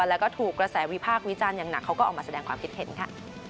แล้วก็ถูกกระแสวิพากษ์วิจารณ์อย่างหนักเขาก็ออกมาแสดงความคิดเห็นค่ะ